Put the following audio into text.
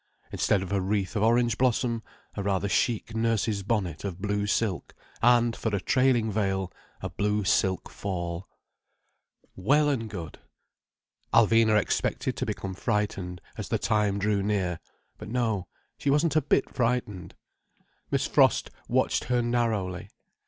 Instead of a wreath of orange blossom, a rather chic nurse's bonnet of blue silk, and for a trailing veil, a blue silk fall. Well and good! Alvina expected to become frightened, as the time drew near. But no, she wasn't a bit frightened. Miss Frost watched her narrowly.